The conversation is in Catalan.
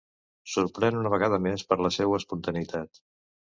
Sorprèn, una vegada més, per la seua espontaneïtat.